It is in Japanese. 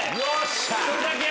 一人だけ。